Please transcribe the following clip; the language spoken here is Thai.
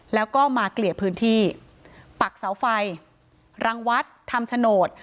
แล้วก็มาเกลี่ยพื้นที่ปักเสาไฟรังวัดทำโฉนด